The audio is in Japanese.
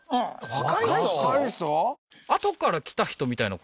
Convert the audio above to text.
若い人？